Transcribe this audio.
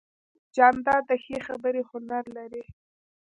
جانداد د ښې خبرې هنر لري.